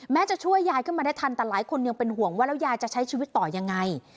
จะช่วยยายขึ้นมาได้ทันแต่หลายคนยังเป็นห่วงว่าแล้วยายจะใช้ชีวิตต่อยังไง